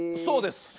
そうです。